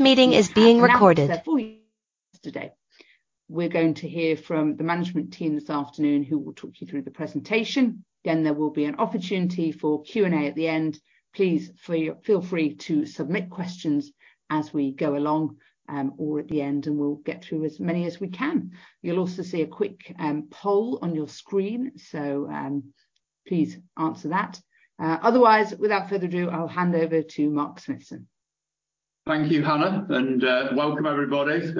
This meeting is being recorded. We have announcements there for you today. We're going to hear from the management team this afternoon, who will talk you through the presentation. There will be an opportunity for Q&A at the end. Please feel free to submit questions as we go along, or at the end, we'll get through as many as we can. You'll also see a quick poll on your screen, please answer that. Otherwise, without further ado, I'll hand over to Mark Smithson. Thank you, Hannah. Welcome, everybody.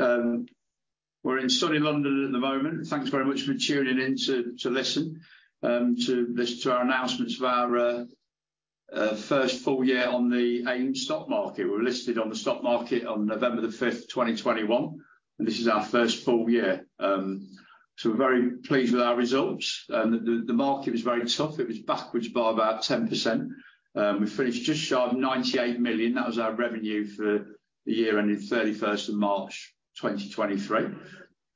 We're in sunny London at the moment. Thanks very much for tuning in to listen to our announcements of our first full year on the AIM stock market. We were listed on the stock market on November the fifth, 2021, and this is our first full year. We're very pleased with our results, and the market was very tough. It was backwards by about 10%. We finished just short of 98 million. That was our revenue for the year ending thirty-first of March, 2023. You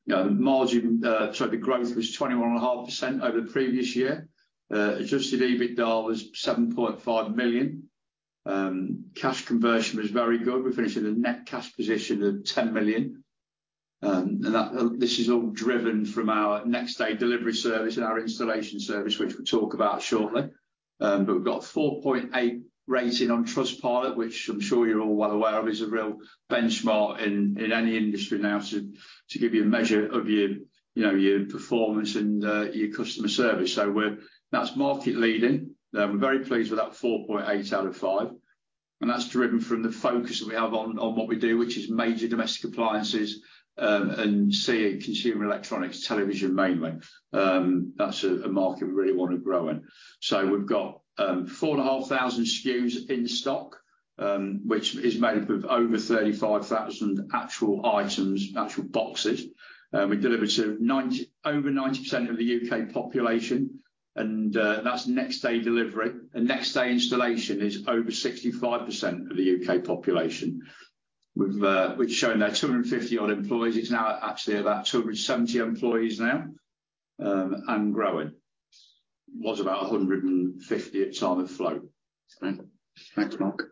know, the growth was 21.5% over the previous year. Adjusted EBITDA was 7.5 million. Cash conversion was very good. We finished with a net cash position of 10 million, and that, this is all driven from our next day delivery service and our installation service, which we'll talk about shortly. We've got a 4.8 rating on Trustpilot, which I'm sure you're all well aware of, is a real benchmark in any industry now to give you a measure of your, you know, your performance and, your customer service. That's market leading. We're very pleased with that 4.8 out of 5, and that's driven from the focus that we have on what we do, which is major domestic appliances, and CE, consumer electronics, television mainly. That's a market we really want to grow in. We've got 4,500 SKUs in stock, which is made up of over 35,000 actual items, actual boxes. We deliver to over 90% of the UK population, that's next day delivery, and next day installation is over 65% of the UK population. We've shown there 250 odd employees. It's now actually about 270 employees now, and growing. Was about 150 at time of float. Thanks, Mark.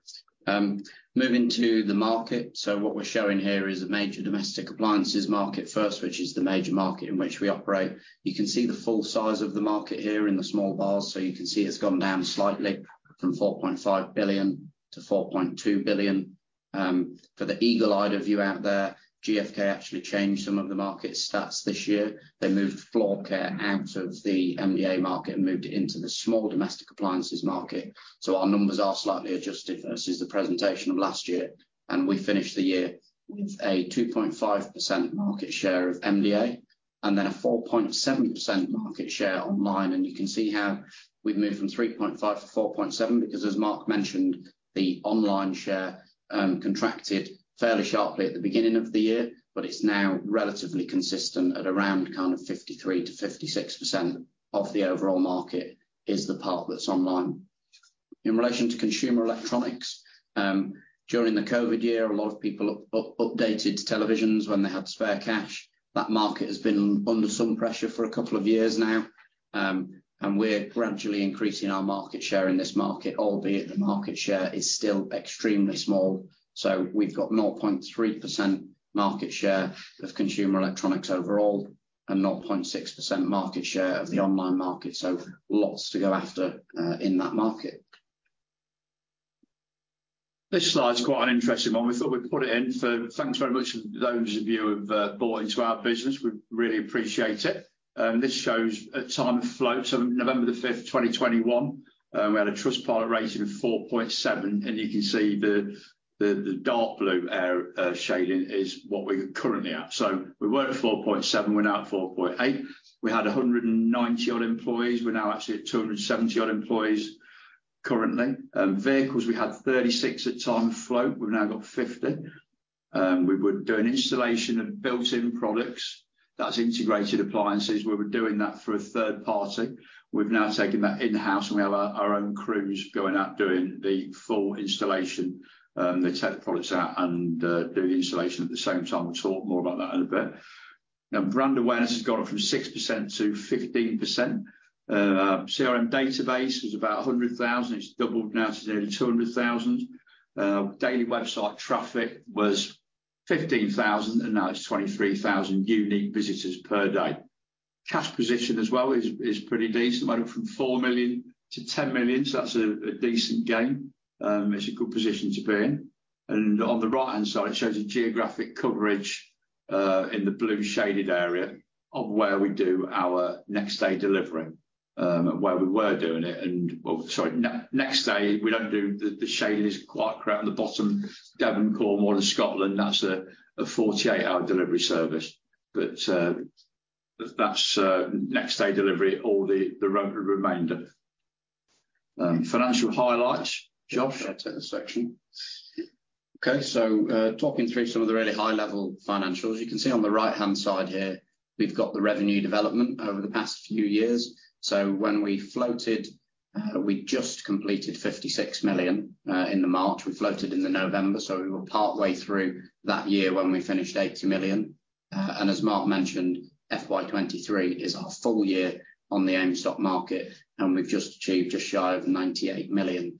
Moving to the market, what we're showing here is a major domestic appliances market first, which is the major market in which we operate. You can see the full size of the market here in the small bars, you can see it's gone down slightly from 4.5 billion to 4.2 billion. For the eagle-eyed of you out there, GfK actually changed some of the market stats this year. They moved floor care out of the MDA market and moved it into the small domestic appliances market. Our numbers are slightly adjusted versus the presentation of last year, and we finished the year with a 2.5% market share of MDA and then a 4.7% market share online, and you can see how we've moved from 3.5% to 4.7%, because as Mark mentioned, the online share contracted fairly sharply at the beginning of the year, but it's now relatively consistent at around kind of 53%-56% of the overall market is the part that's online. In relation to consumer electronics, during the COVID year, a lot of people updated televisions when they had spare cash. That market has been under some pressure for a couple of years now, and we're gradually increasing our market share in this market, albeit the market share is still extremely small. We've got 0.3% market share of consumer electronics overall, and 0.6% market share of the online market, so lots to go after in that market. This slide's quite an interesting one. We thought we'd put it in. Thanks very much for those of you who've bought into our business. We really appreciate it. This shows at time of float, November 5, 2021, we had a Trustpilot rating of 4.7. You can see the dark blue air shading is what we're currently at. We were at 4.7, we're now at 4.8. We had 190 odd employees. We're now actually at 270 odd employees currently. Vehicles, we had 36 at time of float, we've now got 50. We were doing installation of built-in products, that's integrated appliances, we were doing that for a third party. We've now taken that in-house, and we have our own crews going out, doing the full installation. They take the products out and do the installation at the same time. We'll talk more about that in a bit. Brand awareness has gone up from 6% to 15%. CRM database was about 100,000. It's doubled now to nearly 200,000. Daily website traffic was 15,000, and now it's 23,000 unique visitors per day. Cash position as well is pretty decent, went from 4 million to 10 million, so that's a decent gain. It's a good position to be in, and on the right-hand side, it shows the geographic coverage in the blue shaded area of where we do our next day delivering, where we were doing it, and... Well, sorry, next day, we don't do the shade is quite brown at the bottom, Devon, Cornwall and Scotland, that's a 48-hour delivery service. That's next day delivery, all the remainder. Financial highlights, Josh, do you wanna take this section? Okay, talking through some of the really high-level financials. You can see on the right-hand side here, we've got the revenue development over the past few years. When we floated, we just completed 56 million in the March. We floated in the November, we were partway through that year when we finished 80 million. As Mark mentioned, FY23 is our full year on the AIM stock market, we've just achieved just shy of 98 million.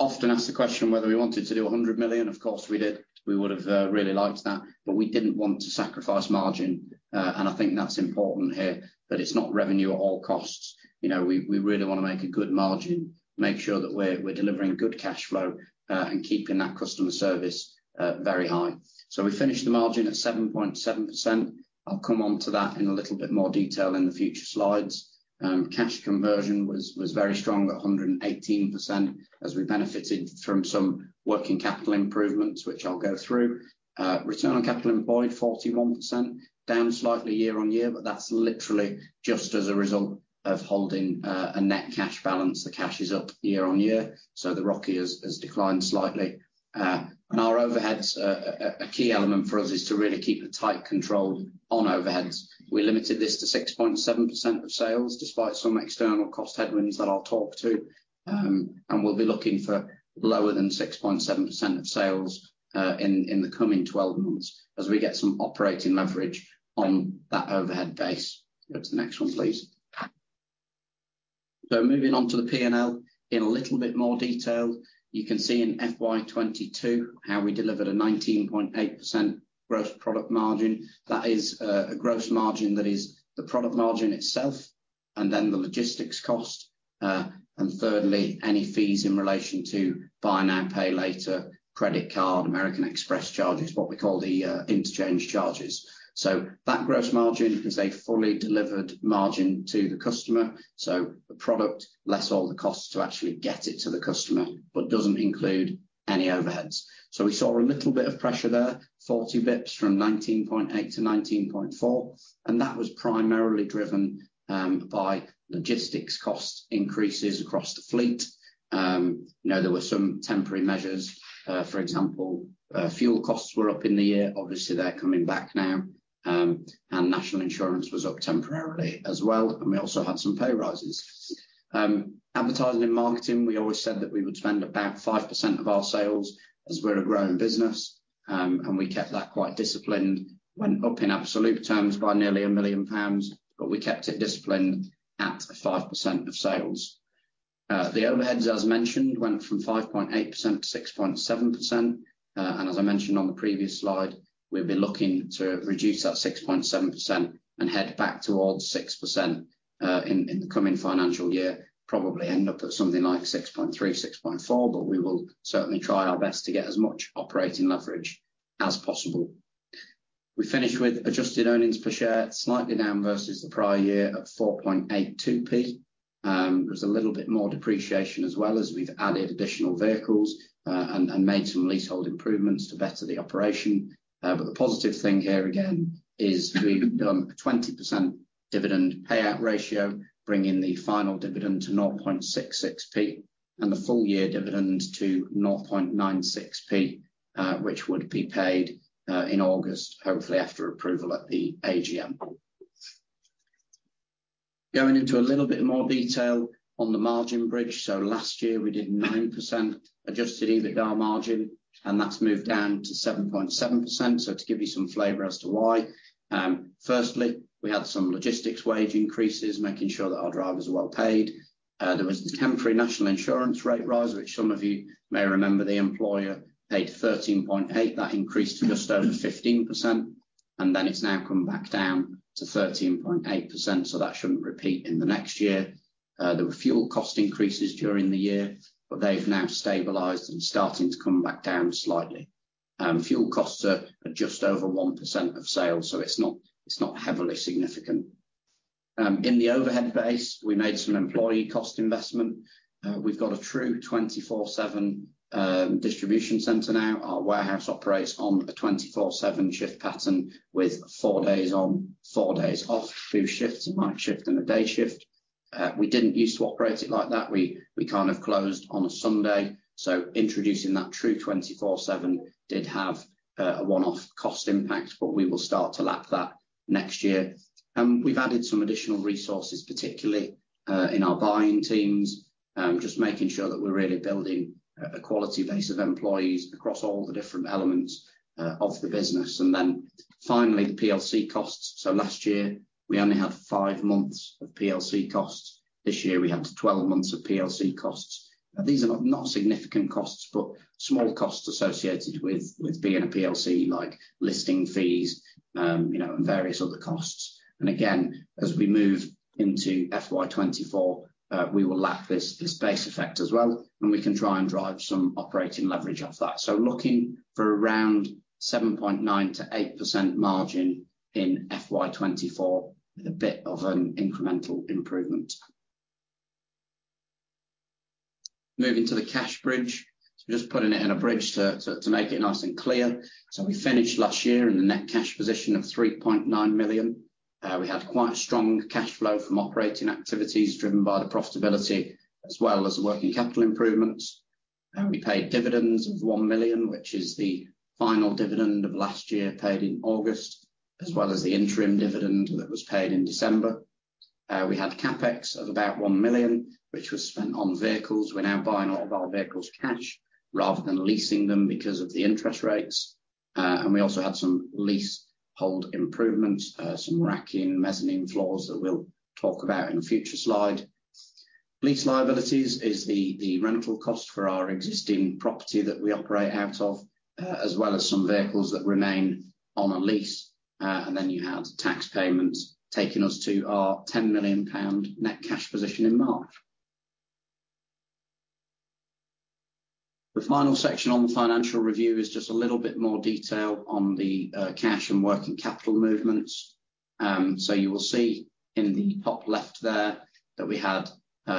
Often asked the question whether we wanted to do 100 million, of course, we did. We would've really liked that, we didn't want to sacrifice margin. I think that's important here, that it's not revenue at all costs. You know, we really wanna make a good margin, make sure that we're delivering good cash flow, and keeping that customer service very high. We finished the margin at 7.7%. I'll come on to that in a little bit more detail in the future slides. Cash conversion was very strong at 118% as we benefited from some working capital improvements, which I'll go through. Return on capital employed, 41%, down slightly year-on-year, that's literally just as a result of holding a net cash balance. The cash is up year-on-year, the ROCE has declined slightly. Our overheads, a key element for us is to really keep a tight control on overheads. We limited this to 6.7% of sales, despite some external cost headwinds that I'll talk to. We'll be looking for lower than 6.7% of sales in the coming 12 months as we get some operating leverage on that overhead base. Go to the next one, please. Moving on to the P&L in a little bit more detail, you can see in FY22 how we delivered a 19.8% gross product margin. That is a gross margin, that is the product margin itself and then the logistics cost. Thirdly, any fees in relation to buy now, pay later, credit card, American Express charges, what we call the interchange charges. That gross margin is a fully delivered margin to the customer, the product less all the costs to actually get it to the customer, but doesn't include any overheads. We saw a little bit of pressure there, 40 bps from 19.8% to 19.4%, and that was primarily driven by logistics cost increases across the fleet. You know, there were some temporary measures, for example, fuel costs were up in the year. Obviously, they're coming back now, and National Insurance was up temporarily as well, and we also had some pay rises. Advertising and marketing, we always said that we would spend about 5% of our sales as we're a growing business, and we kept that quite disciplined, went up in absolute terms by nearly 1 million pounds, but we kept it disciplined at 5% of sales. The overheads, as mentioned, went from 5.8% to 6.7%. As I mentioned on the previous slide, we've been looking to reduce that 6.7% and head back towards 6% in the coming financial year, probably end up at something like 6.3%, 6.4%, but we will certainly try our best to get as much operating leverage as possible. We finished with adjusted EPS, slightly down versus the prior year at 4.82p. There was a little bit more depreciation as well as we've added additional vehicles and made some leasehold improvements to better the operation. The positive thing here, again, is we've done a 20% dividend payout ratio, bringing the final dividend to 0.66, and the full year dividend to 0.96, which would be paid in August, hopefully after approval at the AGM. Going into a little bit more detail on the margin bridge. Last year we did 9% adjusted EBITDA margin, and that's moved down to 7.7%. To give you some flavor as to why, firstly, we had some logistics wage increases, making sure that our drivers are well paid. There was the temporary national insurance rate rise, which some of you may remember, the employer paid 13.8. That increased to just over 15%. It's now come back down to 13.8%. That shouldn't repeat in the next year. There were fuel cost increases during the year. They've now stabilized and starting to come back down slightly. Fuel costs are at just over 1% of sales. It's not, it's not heavily significant. In the overhead base, we made some employee cost investment. We've got a true 24/7 distribution center now. Our warehouse operates on a 24/7 shift pattern, with 4 days on, 4 days off, 2 shifts, a night shift and a day shift. We didn't use to operate it like that. We kind of closed on a Sunday, introducing that true 24/7 did have a one-off cost impact, but we will start to lap that next year. We've added some additional resources, particularly in our buying teams, just making sure that we're really building a quality base of employees across all the different elements of the business. Finally, the PLC costs. Last year, we only had five months of PLC costs. This year, we had 12 months of PLC costs. These are not significant costs, but small costs associated with being a PLC, like listing fees, you know, and various other costs. Again, as we move into FY24, we will lap this base effect as well, and we can try and drive some operating leverage off that. Looking for around 7.9%-8% margin in FY24 with a bit of an incremental improvement. Moving to the cash bridge, just putting it in a bridge to make it nice and clear. We finished last year in a net cash position of 3.9 million. We had quite strong cash flow from operating activities, driven by the profitability as well as the working capital improvements. We paid dividends of 1 million, which is the final dividend of last year, paid in August, as well as the interim dividend that was paid in December. We had CapEx of about 1 million, which was spent on vehicles. We're now buying all of our vehicles cash rather than leasing them because of the interest rates. We also had some leasehold improvements, some racking, mezzanine floors that we'll talk about in a future slide. Lease liabilities is the rental cost for our existing property that we operate out of, as well as some vehicles that remain on a lease. Then you had tax payments, taking us to our 10 million pound net cash position in March. The final section on the financial review is just a little bit more detail on the cash and working capital movements. You will see in the top left there that we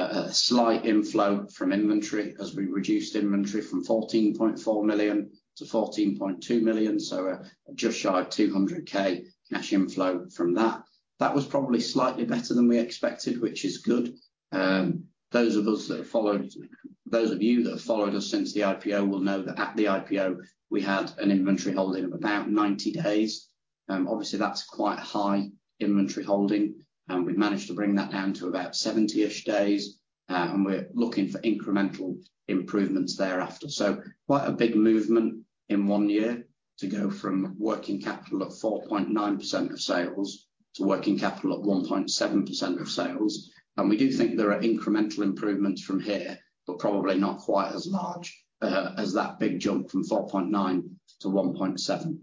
had a slight inflow from inventory as we reduced inventory from 14.4 million to 14.2 million, so just shy of 200K cash inflow from that. That was probably slightly better than we expected, which is good. Those of you that have followed us since the IPO will know that at the IPO, we had an inventory holding of about 90 days. Obviously, that's quite high inventory holding, and we've managed to bring that down to about 70-ish days. We're looking for incremental improvements thereafter. Quite a big movement in one year to go from working capital of 4.9% of sales to working capital at 1.7% of sales. We do think there are incremental improvements from here, but probably not quite as large as that big jump from 4.9 to 1.7.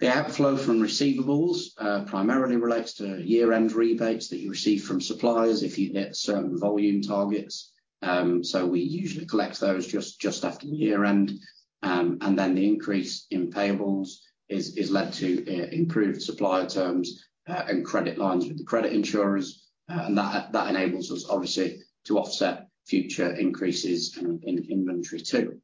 The outflow from receivables primarily relates to year-end rebates that you receive from suppliers if you hit certain volume targets. We usually collect those just after year-end. The increase in payables is led to improved supplier terms and credit lines with the credit insurers. That enables us, obviously, to offset future increases in inventory too.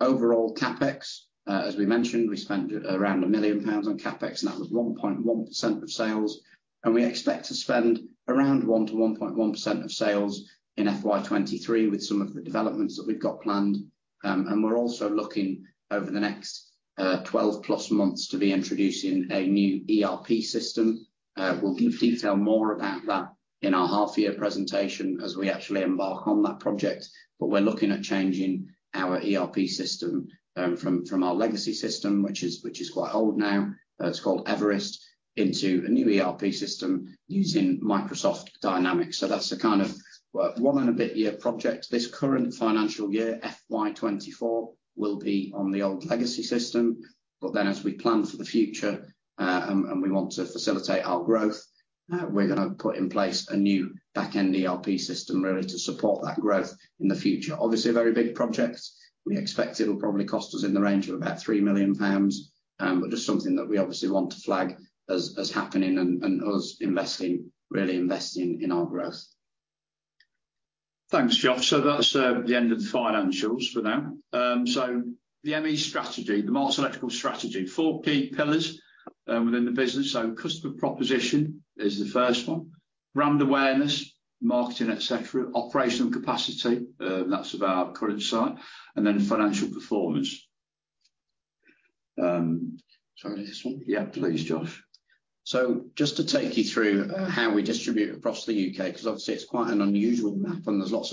Overall CapEx, as we mentioned, we spent around 1 million pounds on CapEx, and that was 1.1% of sales, and we expect to spend around 1%-1.1% of sales in FY23 with some of the developments that we've got planned. We're also looking over the next 12+ months to be introducing a new ERP system. We'll give detail more about that in our half-year presentation as we actually embark on that project. We're looking at changing our ERP system from our legacy system, which is quite old now, it's called Everest, into a new ERP system using Microsoft Dynamics. That's a kind of a one and a bit year project. This current financial year, FY24, will be on the old legacy system. As we plan for the future, and we want to facilitate our growth, we're gonna put in place a new back-end ERP system really to support that growth in the future. Obviously, a very big project. We expect it'll probably cost us in the range of about 3 million pounds, but just something that we obviously want to flag as happening and us investing, really investing in our growth. Thanks, Josh. That's the end of the financials for now. The ME strategy, the Marks Electrical strategy, four key pillars within the business. Customer proposition is the first one, brand awareness, marketing, et cetera, operational capacity, that's of our current site, and then financial performance. Shall I do this one? Yeah, please, Josh. Just to take you through how we distribute across the UK, 'cause obviously it's quite an unusual map, and there's lots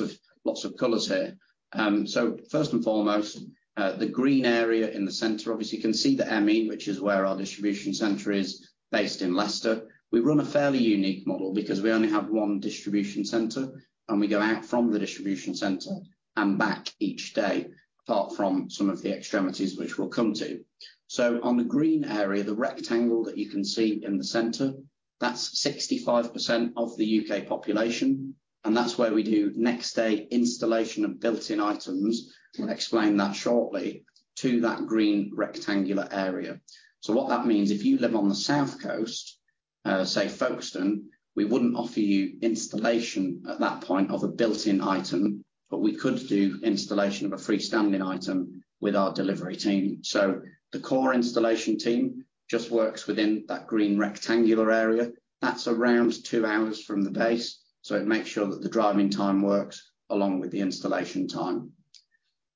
of colors here. First and foremost, the green area in the center, obviously, you can see the ME, which is where our distribution center is based in Leicester. We run a fairly unique model because we only have one distribution center, and we go out from the distribution center and back each day, apart from some of the extremities, which we'll come to. On the green area, the rectangle that you can see in the center, that's 65% of the UK population, and that's where we do next-day installation of built-in items, we'll explain that shortly, to that green rectangular area. What that means, if you live on the South Coast, say, Folkestone, we wouldn't offer you installation at that point of a built-in item, but we could do installation of a freestanding item with our delivery team. The core installation team just works within that green rectangular area. That's around two hours from the base, so it makes sure that the driving time works along with the installation time.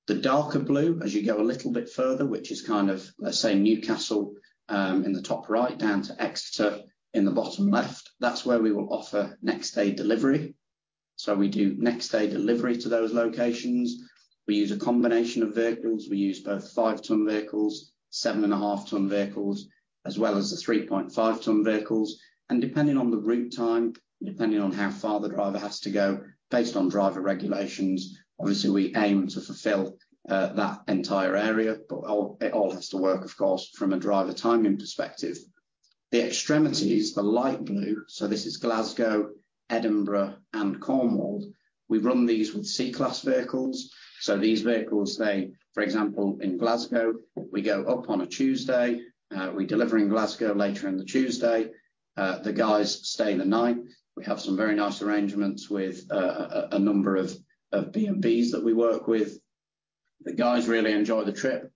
The darker blue, as you go a little bit further, which is kind of, let's say, Newcastle, in the top right, down to Exeter in the bottom left, that's where we will offer next-day delivery. We do next-day delivery to those locations. We use a combination of vehicles. We use both 5-tonne vehicles, 7.5-tonne vehicles, as well as the 3.5-tonne vehicles, depending on the route time, depending on how far the driver has to go, based on driver regulations, obviously, we aim to fulfill that entire area, it all has to work, of course, from a driver timing perspective. The extremities, the light blue, so this is Glasgow, Edinburgh, and Cornwall. We run these with C-class vehicles. These vehicles, they, for example, in Glasgow, we go up on a Tuesday, we deliver in Glasgow later in the Tuesday. The guys stay the night. We have some very nice arrangements with a number of BnBs that we work with. The guys really enjoy the trip.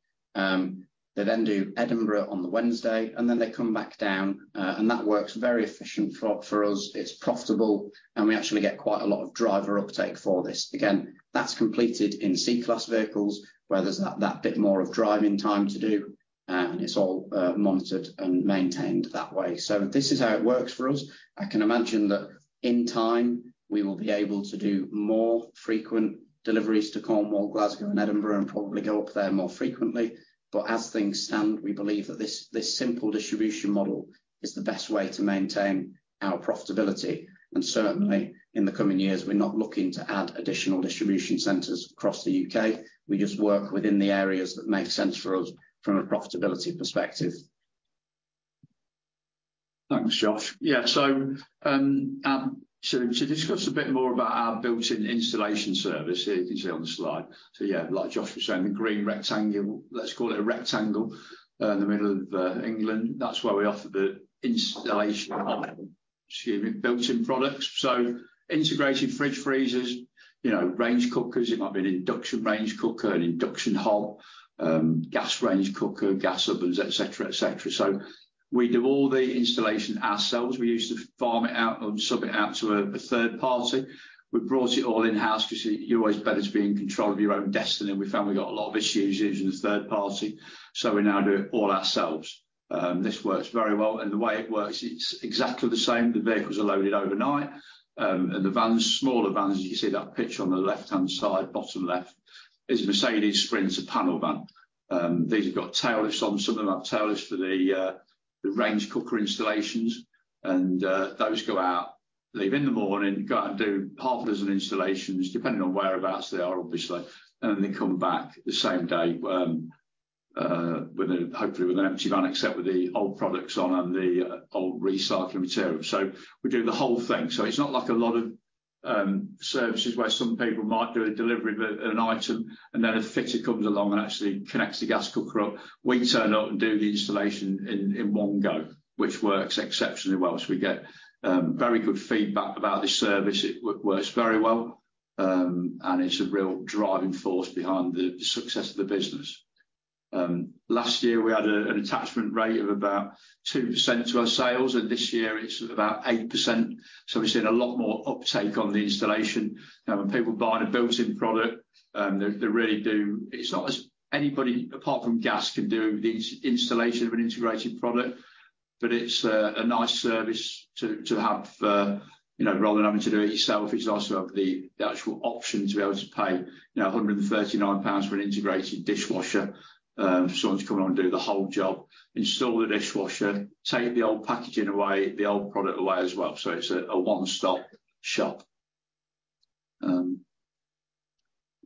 They then do Edinburgh on the Wednesday, they come back down, that works very efficient for us. It's profitable, we actually get quite a lot of driver uptake for this. Again, that's completed in C-class vehicles, where there's that bit more of driving time to do. It's all monitored and maintained that way. This is how it works for us. I can imagine that in time, we will be able to do more frequent deliveries to Cornwall, Glasgow, and Edinburgh, and probably go up there more frequently. As things stand, we believe that this simple distribution model is the best way to maintain our profitability, certainly in the coming years, we're not looking to add additional distribution centers across the UK. We just work within the areas that make sense for us from a profitability perspective. Thanks, Josh. Yeah, to discuss a bit more about our built-in installation service here, you can see on the slide. Yeah, like Josh was saying, the green rectangle, let's call it a rectangle, in the middle of England, that's where we offer the installation of, excuse me, built-in products. Integrated fridge freezers, you know, range cookers, it might be an induction range cooker, an induction hob, gas range cooker, gas ovens, et cetera, et cetera. We do all the installation ourselves. We used to farm it out or sub it out to a third party. We brought it all in-house 'cause you're always better to be in control of your own destiny, and we found we got a lot of issues using a third party, so we now do it all ourselves. This works very well. The way it works, it's exactly the same. The vehicles are loaded overnight. The vans, smaller vans, as you can see that pitch on the left-hand side, bottom left, is a Mercedes-Benz Sprinter panel van. These have got taillifts on them. Some of them have taillifts for the range cooker installations. Those go out, leave in the morning, go out and do half a dozen installations, depending on whereabouts they are, obviously, and then they come back the same day, hopefully with an empty van, except with the old products on and the old recycling material. We do the whole thing. It's not like a lot of services, where some people might do a delivery of an item, and then a fitter comes along and actually connects the gas cooker up. We turn up and do the installation in one go, which works exceptionally well, so we get very good feedback about this service. It works very well, and it's a real driving force behind the success of the business. Last year, we had an attachment rate of about 2% to our sales, and this year it's about 8%, so we're seeing a lot more uptake on the installation. When people are buying a built-in product, they really do... It's not as anybody, apart from gas, can do the installation of an integrated product, but it's a nice service to have, you know, rather than having to do it yourself. It's nice to have the actual option to be able to pay, you know, 139 pounds for an integrated dishwasher, for someone to come around and do the whole job, install the dishwasher, take the old packaging away, the old product away as well. it's a one-stop shop.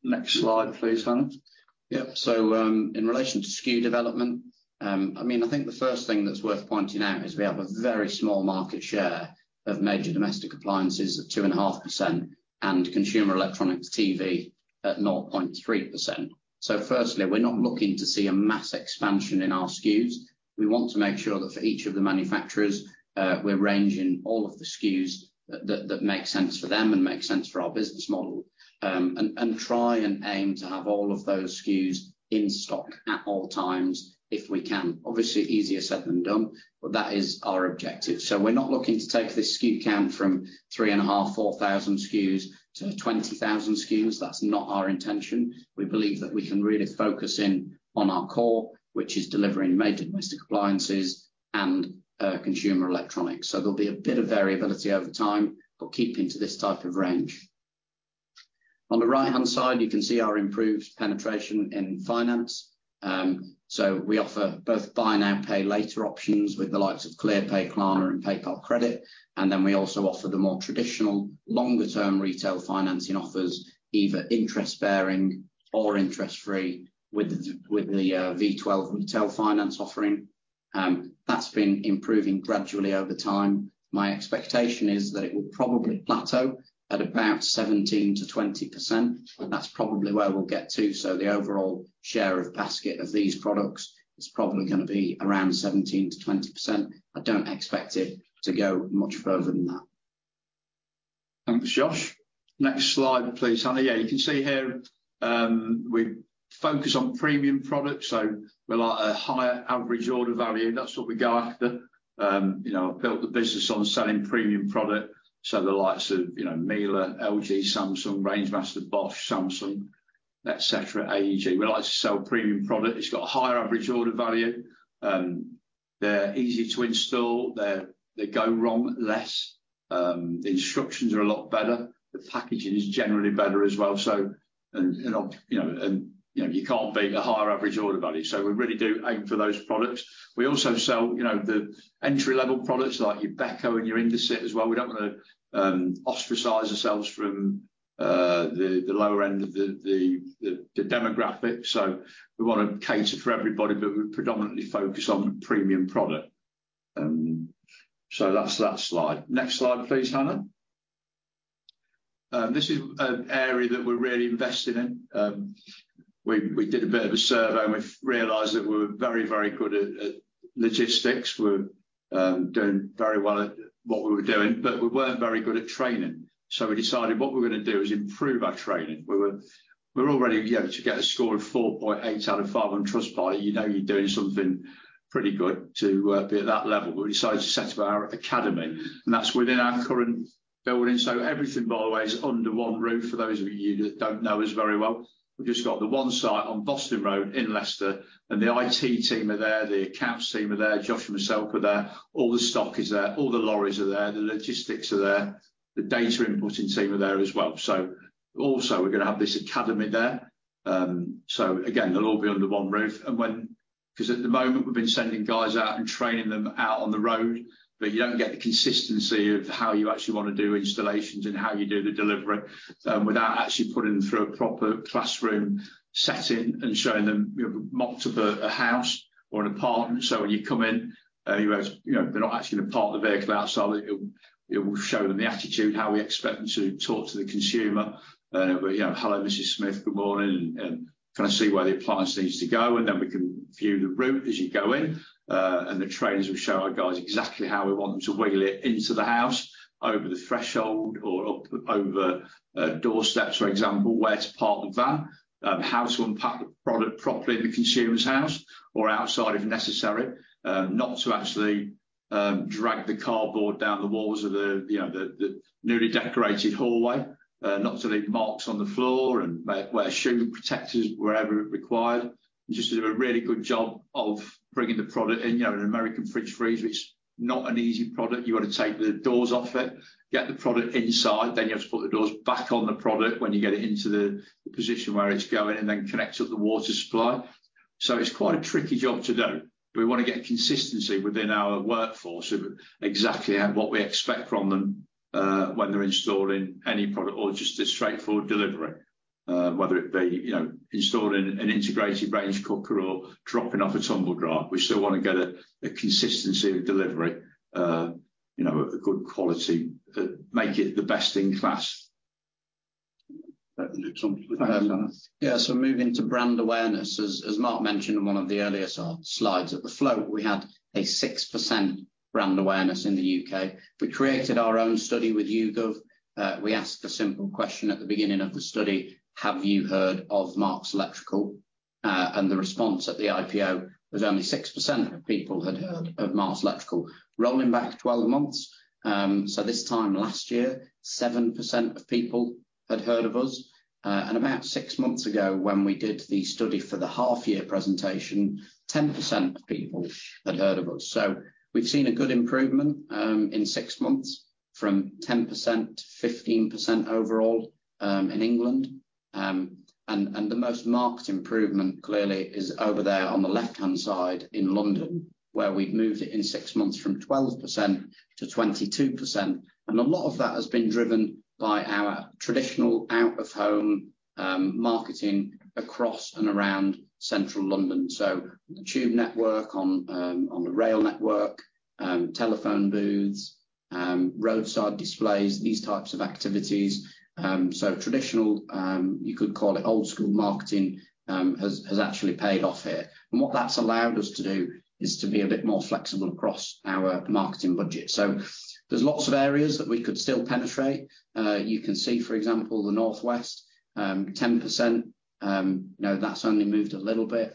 Next slide, please, Hannah. Yeah, in relation to SKU development, I mean, I think the first thing that's worth pointing out is we have a very small market share of major domestic appliances at 2.5%, and consumer electronics, TV at 0.3%. Firstly, we're not looking to see a mass expansion in our SKUs. We want to make sure that for each of the manufacturers, we're ranging all of the SKUs that make sense for them and make sense for our business model. And try and aim to have all of those SKUs in stock at all times, if we can. Obviously, easier said than done, but that is our objective. We're not looking to take this SKU count from 3,500-4,000 SKUs to 20,000 SKUs. That's not our intention. We believe that we can really focus in on our core, which is delivering major domestic appliances and consumer electronics. There'll be a bit of variability over time, but keeping to this type of range. On the right-hand side, you can see our improved penetration in finance. We offer both buy now, pay later options with the likes of Klarna, Clearpay, and PayPal Credit, and we also offer the more traditional longer-term retail financing offers, either interest-bearing or interest-free, with the V12 Retail Finance offering. That's been improving gradually over time. My expectation is that it will probably plateau at about 17%-20%. That's probably where we'll get to, the overall share of basket of these products is probably gonna be around 17%-20%. I don't expect it to go much further than that. Thanks, Josh. Next slide, please, Hannah. You can see here, we focus on premium products, so we like a higher average order value. That's what we go after. you know, I've built the business on selling premium product, so the likes of, you know, Miele, LG, Samsung, Rangemaster, Bosch, Samsung, et cetera, AEG. We like to sell premium product. It's got a higher average order value, they're easy to install, they go wrong less, the instructions are a lot better, the packaging is generally better as well, so and, you know, you know, you can't beat a higher average order value. We really do aim for those products. We also sell, you know, the entry-level products like your Beko and your Indesit as well. We don't wanna ostracize ourselves from the lower end of the demographic. We wanna cater for everybody, but we predominantly focus on the premium product. That's that slide. Next slide, please, Hannah. This is an area that we're really invested in. We did a bit of a survey, and we've realized that we're very, very good at logistics. We're doing very well at what we were doing, but we weren't very good at training. We decided what we're gonna do is improve our training. We're already, you know, to get a score of 4.8 out of 5 on Trustpilot, you know you're doing pretty good to be at that level. We decided to set up our academy, and that's within our current building. Everything, by the way, is under one roof for those of you that don't know us very well. We've just got the one site on Boston Road in Leicester, the IT team are there, the accounts team are there, Josh and myself are there. All the stock is there, all the lorries are there, the logistics are there, the data inputting team are there as well. Also, we're gonna have this academy there. Again, they'll all be under one roof, and 'cause at the moment, we've been sending guys out and training them out on the road, but you don't get the consistency of how you actually wanna do installations and how you do the delivery, without actually putting them through a proper classroom setting and showing them, you know, mock to the, a house or an apartment. When you come in, you know, they're not actually gonna park the vehicle outside. It will show them the attitude, how we expect them to talk to the consumer. you know, "Hello, Mrs. Smith, good morning, and, can I see where the appliance needs to go?" Then we can view the route as you go in, and the trainers will show our guys exactly how we want them to wheel it into the house, over the threshold or up over, doorsteps, for example, where to park the van. How to unpack the product properly in the consumer's house or outside, if necessary. not to actually, drag the cardboard down the walls of the, you know, the newly decorated hallway. not to leave marks on the floor and wear shoe protectors wherever required. Just to do a really good job of bringing the product in. You know, an american fridge freezer, it's not an easy product. You've got to take the doors off it, get the product inside, then you have to put the doors back on the product when you get it into the position where it's going, and then connect up the water supply. It's quite a tricky job to do. We wanna get consistency within our workforce of exactly what we expect from them when they're installing any product or just a straightforward delivery, whether it be, you know, installing an integrated range cooker or dropping off a tumble dryer. We still wanna get a consistency of delivery, you know, a good quality, make it the best in class. Let me do. Yeah, moving to brand awareness, as Mark mentioned in one of the earlier slides. At the float, we had a 6% brand awareness in the U.K. We created our own study with YouGov. We asked a simple question at the beginning of the study: "Have you heard of Marks Electrical?" The response at the IPO was only 6% of people had heard of Marks Electrical. Rolling back 12 months, this time last year, 7% of people had heard of us. About 6 months ago, when we did the study for the half-year presentation, 10% of people had heard of us. We've seen a good improvement in 6 months, from 10% to 15% overall in England. The most marked improvement, clearly, is over there on the left-hand side in London, where we've moved it in six months from 12% to 22%. A lot of that has been driven by our traditional out-of-home marketing across and around central London. The tube network on the rail network, telephone booths, roadside displays, these types of activities. Traditional, you could call it old-school marketing, has actually paid off here, and what that's allowed us to do is to be a bit more flexible across our marketing budget. There's lots of areas that we could still penetrate. You can see, for example, the Northwest, 10%. You know, that's only moved a little bit.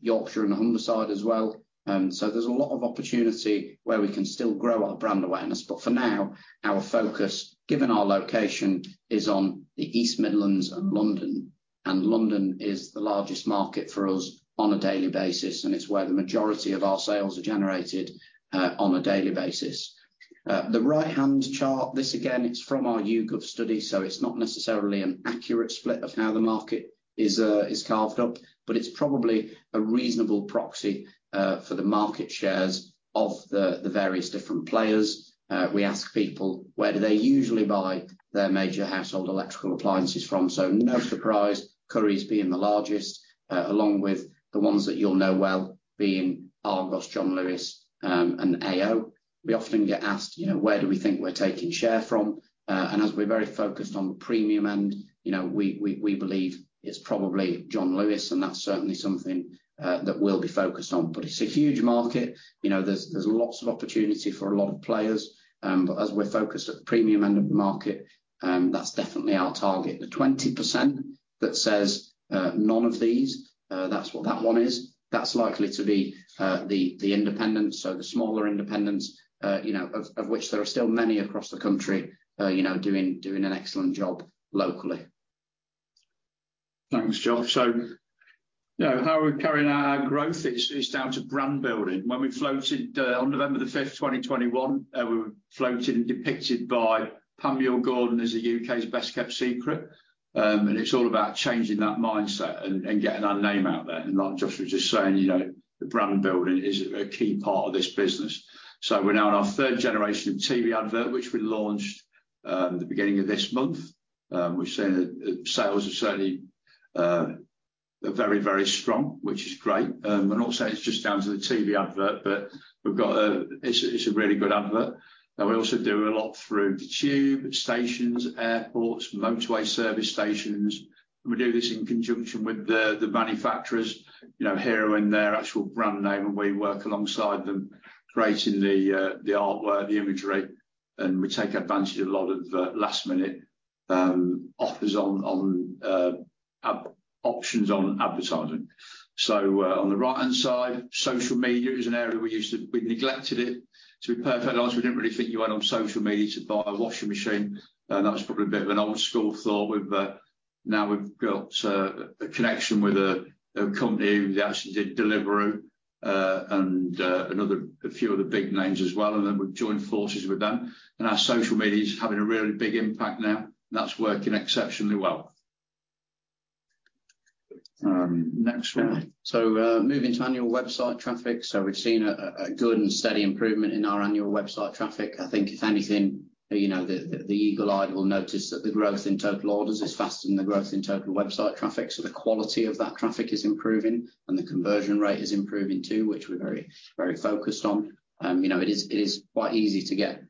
Yorkshire and Humberside as well. There's a lot of opportunity where we can still grow our brand awareness, but for now, our focus, given our location, is on the East Midlands and London. London is the largest market for us on a daily basis, and it's where the majority of our sales are generated on a daily basis. The right-hand chart, this again, is from our YouGov study. It's not necessarily an accurate split of how the market is carved up. It's probably a reasonable proxy for the market shares of the various different players. We ask people, where do they usually buy their major household electrical appliances from? No surprise, Currys being the largest, along with the ones that you'll know well, being Argos, John Lewis, and AO. We often get asked, you know, where do we think we're taking share from? As we're very focused on the premium end, you know, we believe it's probably John Lewis, and that's certainly something that we'll be focused on. It's a huge market. You know, there's lots of opportunity for a lot of players, but as we're focused at the premium end of the market, that's definitely our target. The 20% that says, "none of these," that's what that one is. That's likely to be the independents, so the smaller independents, you know, of which there are still many across the country, you know, doing an excellent job locally. Thanks, Josh. You know, how we're carrying our growth is down to brand building. When we floated on November the fifth, 2021, we were floated and depicted by Pamela Gordon as the U.K.'s best-kept secret. It's all about changing that mindset and getting our name out there. Like Josh was just saying, you know, the brand building is a key part of this business. We're now in our third generation of TV advert, which we launched the beginning of this month. We've seen that sales are certainly very strong, which is great. Obviously it's just down to the TV advert, but it's a really good advert. Now, we also do a lot through the tube, stations, airports, motorway service stations. We do this in conjunction with the manufacturers, you know, Haier and their actual brand name, and we work alongside them, creating the artwork, the imagery, and we take advantage a lot of last-minute offers on options on advertising. On the right-hand side, social media is an area. We neglected it, to be perfectly honest, we didn't really think you went on social media to buy a washing machine, and that was probably a bit of an old school thought. We've now we've got a connection with a company who they actually did Deliveroo, and a few other big names as well, and then we've joined forces with them, and our social media is having a really big impact now, and that's working exceptionally well. Next one. Moving to annual website traffic. We've seen a good and steady improvement in our annual website traffic. I think, if anything, you know, the eagle eye will notice that the growth in total orders is faster than the growth in total website traffic, so the quality of that traffic is improving, and the conversion rate is improving, too, which we're very, very focused on. You know, it is quite easy to get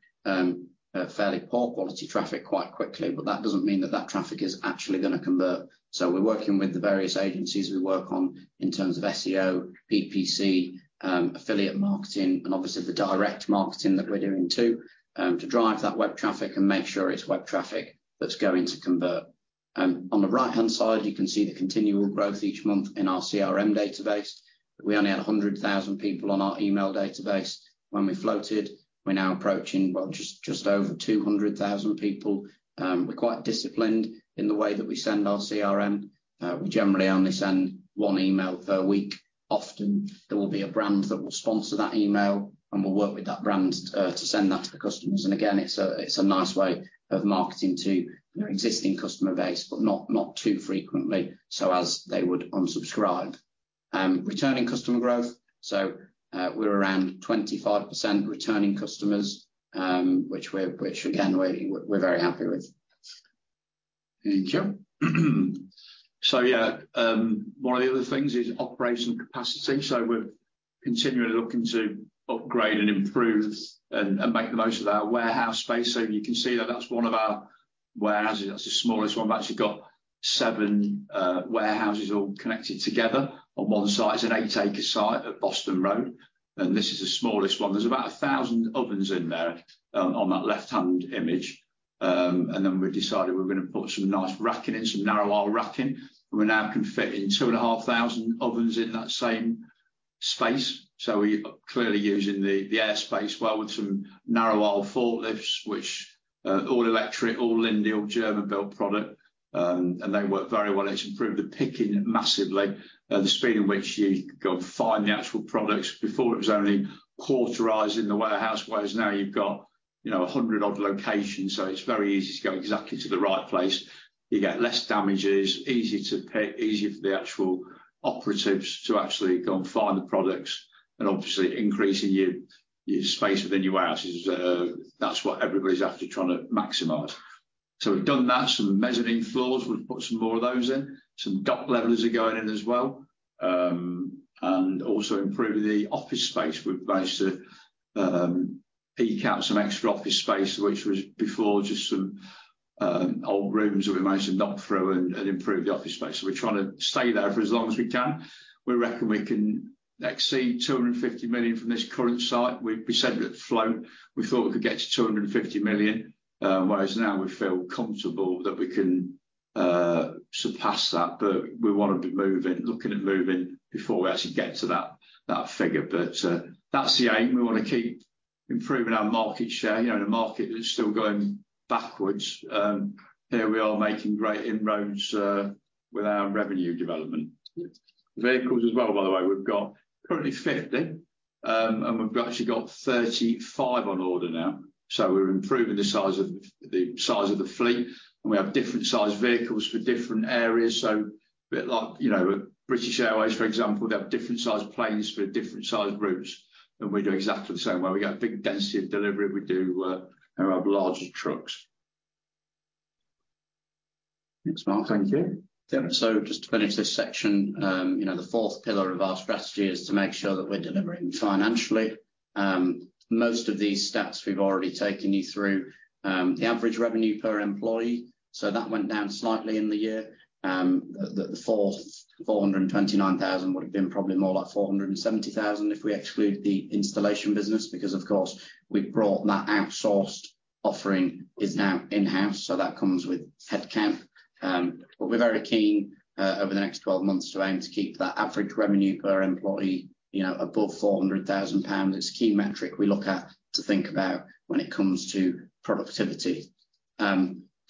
a fairly poor quality traffic quite quickly, but that doesn't mean that that traffic is actually gonna convert. We're working with the various agencies we work on in terms of SEO, PPC, affiliate marketing, and obviously the direct marketing that we're doing, too, to drive that web traffic and make sure it's web traffic that's going to convert. On the right-hand side, you can see the continual growth each month in our CRM database. We only had 100,000 people on our email database when we floated. We're now approaching just over 200,000 people. We're quite disciplined in the way that we send our CRM. We generally only send 1 email per week. Often, there will be a brand that will sponsor that email, and we'll work with that brand to send that to the customers, and again, it's a nice way of marketing to your existing customer base, but not too frequently, so as they would unsubscribe. Returning customer growth, we're around 25% returning customers, which we're, which again, we're very happy with. Thank you. Yeah, one of the other things is operational capacity, so we're continually looking to upgrade and improve and make the most of our warehouse space. You can see that that's one of our warehouses. That's the smallest one. We've actually got seven warehouses all connected together on one site. It's an eight-acre site at Boston Road. This is the smallest one. There's about 1,000 ovens in there on that left-hand image. We've decided we're gonna put some nice racking in, some narrow aisle racking. We now can fit in 2,500 ovens in that same space, so we're clearly using the airspace well with some narrow aisle forklifts, which all electric, all Linde, all German-built product, and they work very well. It's improved the picking massively, the speed in which you go and find the actual products. Before, it was only quarterized in the warehouse, whereas now you've got, you know, 100 odd locations, so it's very easy to go exactly to the right place. You get less damages, easy to pick, easy for the actual operatives to actually go and find the products, and obviously increasing your space within your house is, that's what everybody's after trying to maximize. We've done that, some mezzanine floors, we've put some more of those in. Some dock levelers are going in as well. Also improving the office space. We've managed to, eke out some extra office space, which was before just some, old rooms that we managed to knock through and improve the office space. We're trying to stay there for as long as we can. We reckon we can exceed 250 million from this current site. We said at the float, we thought we could get to 250 million, whereas now we feel comfortable that we can surpass that, we wanna be moving, looking at moving before we actually get to that figure. That's the aim. We wanna keep improving our market share. You know, the market is still going backwards. Here we are making great inroads with our revenue development. Vehicles as well, by the way, we've got currently 50, and we've actually got 35 on order now. We're improving the size of the fleet, and we have different sized vehicles for different areas. A bit like, you know, British Airways, for example, they have different sized planes for different sized routes, and we do exactly the same way. We got a big density of delivery. We do have larger trucks. Thanks, Mark. Thank you. Just to finish this section, you know, the fourth pillar of our strategy is to make sure that we're delivering financially. Most of these stats, we've already taken you through. The average revenue per employee, that went down slightly in the year. The fourth, 429,000 would have been probably more like 470,000 if we exclude the installation business, because of course, we've brought that outsourced offering is now in-house, so that comes with head count. We're very keen over the next 12 months to aim to keep that average revenue per employee, you know, above 400,000 pounds. It's a key metric we look at to think about when it comes to productivity.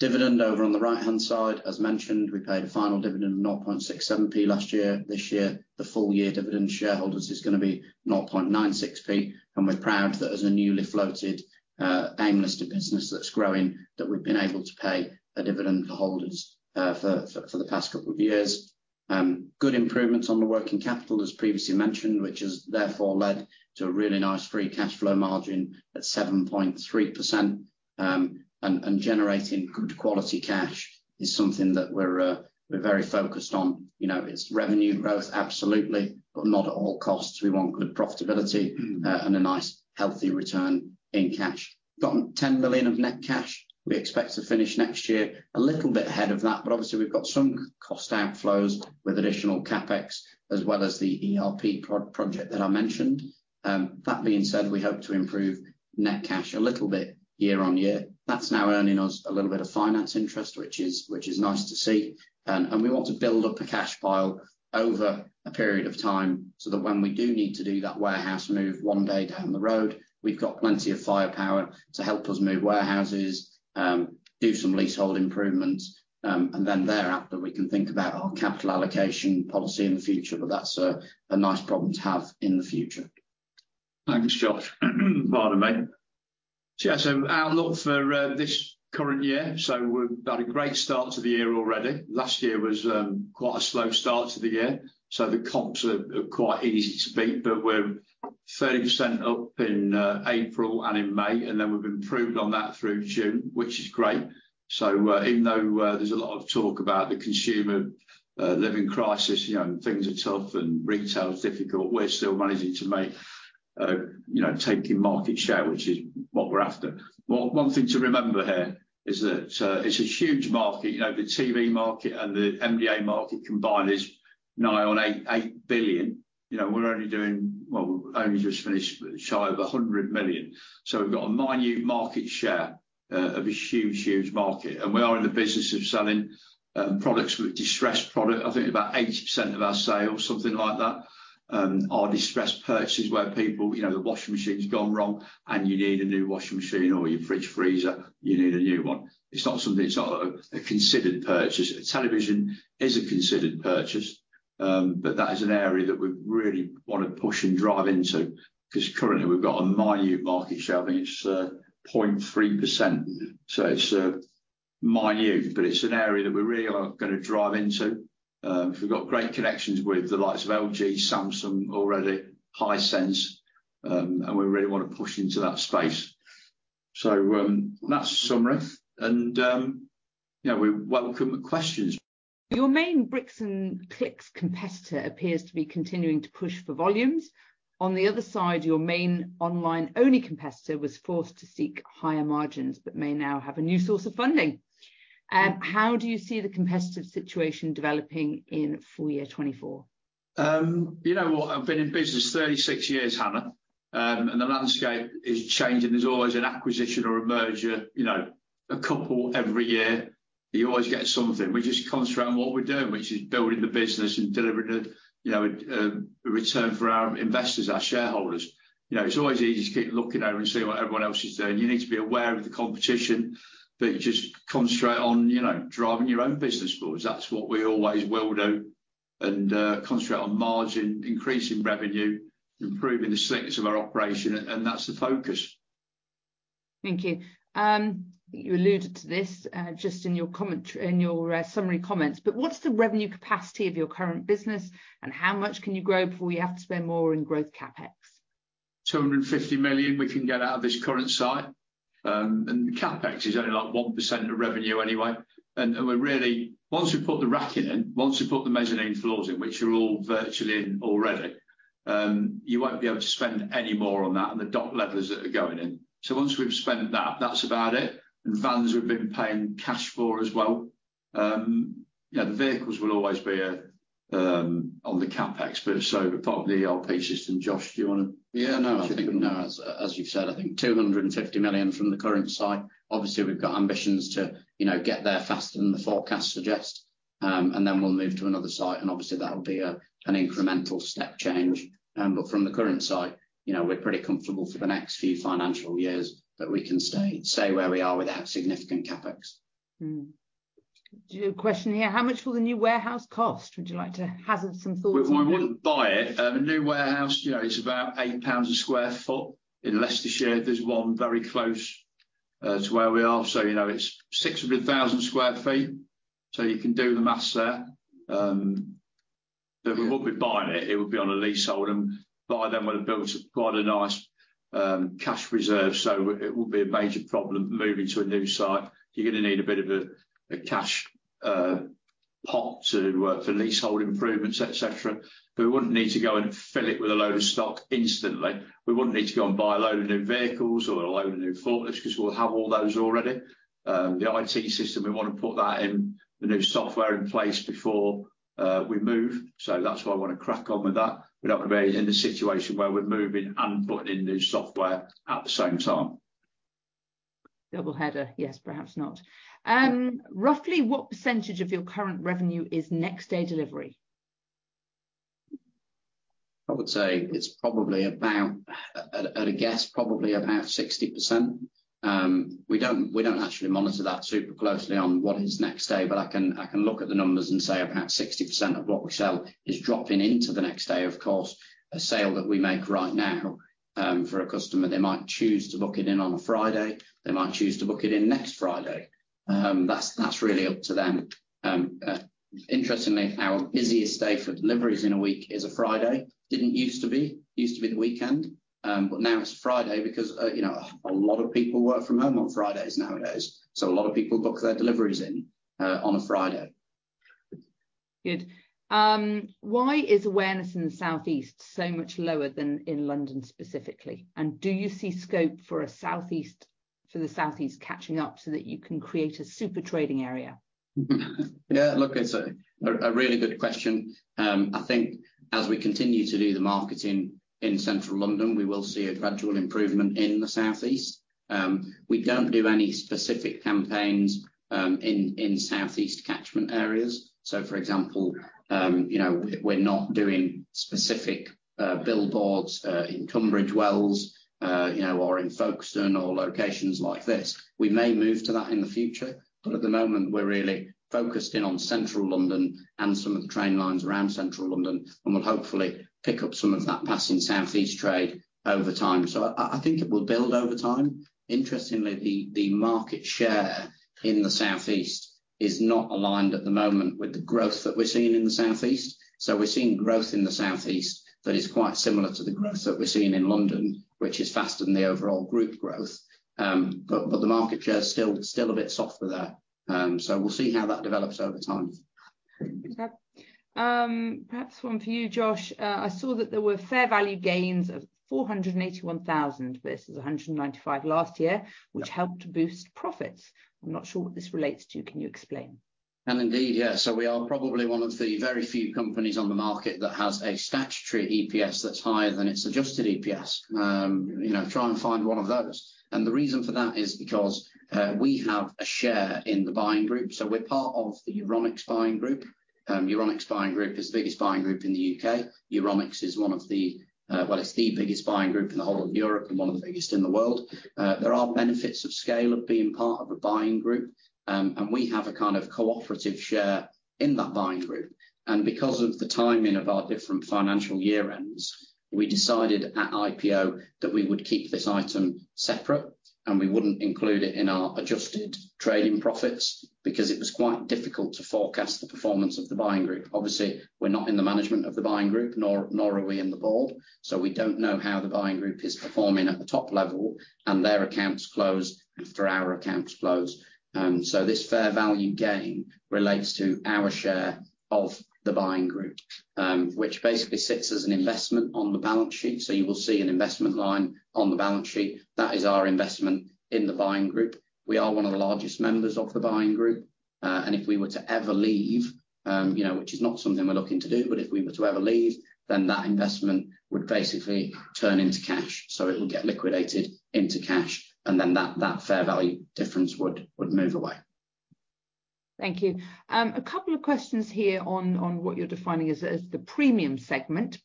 Dividend over on the right-hand side, as mentioned, we paid a final dividend of 0.67P last year. This year, the full year dividend shareholders is gonna be 0.96P, and we're proud that as a newly floated, AIM listed business that's growing, that we've been able to pay a dividend for holders for the past couple of years. Good improvements on the working capital, as previously mentioned, which has therefore led to a really nice free cash flow margin at 7.3%. Generating good quality cash is something that we're very focused on. You know, it's revenue growth, absolutely, but not at all costs. We want good profitability, and a nice, healthy return in cash. Got 10 million of net cash. We expect to finish next year a little bit ahead of that, obviously, we've got some good flows with additional CapEx, as well as the ERP project that I mentioned. That being said, we hope to improve net cash a little bit year-on-year. That's now earning us a little bit of finance interest, which is nice to see. We want to build up a cash pile over a period of time, so that when we do need to do that warehouse move one day down the road, we've got plenty of firepower to help us move warehouses, do some leasehold improvements, and then thereafter, we can think about our capital allocation policy in the future, that's a nice problem to have in the future. Thanks, Josh. Pardon me. Yeah, our look for this current year, we've had a great start to the year already. Last year was quite a slow start to the year, so the comps are quite easy to beat. We're 30% up in April and in May, and then we've improved on that through June, which is great. Even though there's a lot of talk about the consumer living crisis, you know, and things are tough and retail is difficult, we're still managing to make, you know, taking market share, which is what we're after. One thing to remember here is that it's a huge market. You know, the TV market and the MDA market combined is now on 8 billion. You know, we're only doing... We only just finished shy of 100 million. We've got a minute market share of a huge, huge market, we are in the business of selling products with distressed product. I think about 80% of our sales, something like that, are distressed purchases where people, you know, the washing machine's gone wrong, you need a new washing machine, or your fridge freezer, you need a new one. It's not something, it's not a considered purchase. A television is a considered purchase, that is an area that we really wanna push and drive into, 'cause currently we've got a minute market share. I think it's 0.3%, it's minute, it's an area that we really are gonna drive into. We've got great connections with the likes of LG, Samsung already, Hisense, and we really wanna push into that space. That's the summary, and, you know, we welcome the questions. Your main bricks and clicks competitor appears to be continuing to push for volumes. On the other side, your main online-only competitor was forced to seek higher margins but may now have a new source of funding. How do you see the competitive situation developing in full year 2024? You know what? I've been in business 36 years, Hannah, the landscape is changing. There's always an acquisition or a merger, you know, a couple every year. You always get something. We just concentrate on what we're doing, which is building the business and delivering a, you know, a return for our investors, our shareholders. It's always easy to keep looking over and see what everyone else is doing. You need to be aware of the competition, you just concentrate on, you know, driving your own business forward. That's what we always will do, concentrate on margin, increasing revenue, improving the sleekness of our operation, that's the focus. Thank you. you alluded to this, just in your comment, in your summary comments, but what's the revenue capacity of your current business, and how much can you grow before you have to spend more in growth CapEx? 250 million, we can get out of this current site. The CapEx is only, like, 1% of revenue anyway. Once we put the racking in, once we put the mezzanine floors in, which are all virtually in already, you won't be able to spend any more on that and the dock levelers that are going in. Once we've spent that's about it, and vans we've been paying cash for as well. Yeah, the vehicles will always be on the CapEx, but so part of the ERP system, Josh, do you wanna- Yeah. No, I think, as you said, I think 250 million from the current site. Obviously, we've got ambitions to, you know, get there faster than the forecast suggests, then we'll move to another site, obviously, that'll be an incremental step change. From the current site, you know, we're pretty comfortable for the next few financial years that we can stay where we are without significant CapEx. Do you have a question here? How much will the new warehouse cost? Would you like to hazard some thoughts on that? We wouldn't buy it. A new warehouse, you know, is about 8 pounds a sq ft. In Leicestershire, there's one very close to where we are, so you know, it's 600,000 sq ft, so you can do the math there. We would be buying it. It would be on a leasehold, and by then we'd have built quite a nice cash reserve, so it wouldn't be a major problem moving to a new site. You're gonna need a bit of a cash pot to for leasehold improvements, et cetera, but we wouldn't need to go and fill it with a load of stock instantly. We wouldn't need to go and buy a load of new vehicles or a load of new forklifts 'cause we'll have all those already. The IT system, we wanna put that in, the new software in place before we move, so that's why I wanna crack on with that. We don't wanna be in a situation where we're moving and putting in new software at the same time. Double header. Yes, perhaps not. Roughly what % of your current revenue is next-day delivery? I would say it's probably about, at a guess, probably about 60%. We don't actually monitor that super closely on what is next day, but I can look at the numbers and say about 60% of what we sell is dropping into the next day. Of course, a sale that we make right now, for a customer, they might choose to book it in on a Friday. They might choose to book it in next Friday. That's really up to them. Interestingly, our busiest day for deliveries in a week is a Friday. Didn't used to be. Used to be the weekend, now it's Friday because, you know, a lot of people work from home on Fridays nowadays, so a lot of people book their deliveries in on a Friday. Why is awareness in the Southeast so much lower than in London specifically? Do you see scope for the Southeast catching up so that you can create a super trading area? Yeah, look, it's a really good question. I think as we continue to do the marketing in Central London, we will see a gradual improvement in the Southeast. We don't do any specific campaigns in Southeast catchment areas. For example, you know, we're not doing specific billboards in Tunbridge Wells, you know, or in Folkestone or locations like this. We may move to that in the future, but at the moment, we're really focused in on Central London and some of the train lines around Central London, and we'll hopefully pick up some of that passing Southeast trade over time. I think it will build over time. Interestingly, the market share in the Southeast is not aligned at the moment with the growth that we're seeing in the Southeast. We're seeing growth in the Southeast that is quite similar to the growth that we're seeing in London, which is faster than the overall group growth. The market share is still a bit softer there. We'll see how that develops over time. Perhaps one for you, Josh. I saw that there were fair value gains of 481,000 versus 195 last year, which helped to boost profits. I'm not sure what this relates to. Can you explain? Indeed. We are probably one of the very few companies on the market that has a statutory EPS that's higher than its adjusted EPS. You know, try and find one of those. The reason for that is because we have a share in the buying group, so we're part of the Euronics Buying Group. Euronics Buying Group is the biggest buying group in the UK. Euronics is one of the, well, it's the biggest buying group in the whole of Europe and one of the biggest in the world. There are benefits of scale of being part of a buying group, and we have a kind of cooperative share in that buying group. Because of the timing of our different financial year ends, we decided at IPO that we would keep this item separate, and we wouldn't include it in our adjusted trading profits because it was quite difficult to forecast the performance of the buying group. Obviously, we're not in the management of the buying group, nor are we in the board, so we don't know how the buying group is performing at the top level, and their accounts close after our accounts close. This fair value gain relates to our share of the buying group, which basically sits as an investment on the balance sheet. You will see an investment line on the balance sheet, that is our investment in the buying group. We are one of the largest members of the buying group. If we were to ever leave, you know, which is not something we're looking to do, but if we were to ever leave, then that investment would basically turn into cash. It will get liquidated into cash, then that fair value difference would move away. Thank you. A couple of questions here on what you're defining as the premium segment.